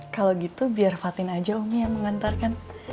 kalau gitu biar fatin aja omnya yang mengantarkan